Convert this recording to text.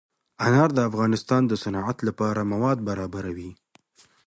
انار د افغانستان د صنعت لپاره مواد برابروي.